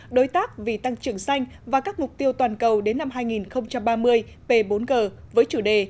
đối tác vì tăng trưởng xanh và các mục tiêu toàn cầu đến năm hai nghìn ba mươi p bốn g với chủ đề